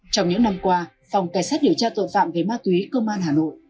trong những năm qua phòng cảnh sát điều tra tội phạm về ma túy công an hà nội